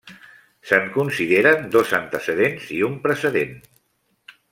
Se'n consideren dos antecedents i un precedent.